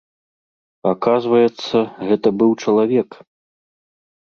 Аказваецца, гэта быў чалавек.